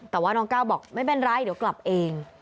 แต่ว่าน้องก้าวบอกไม่เป็นไรเดี๋ยวกลับเอง